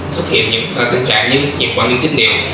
xuất hiện những tình trạng như nhiệt quả niêm kích niệm